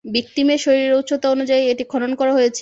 ভিক্টিমের শরীরের উচ্চতা অনুযায়ী এটি খনন করা হয়েছে।